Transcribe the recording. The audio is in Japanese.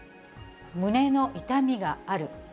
胸の痛みがある。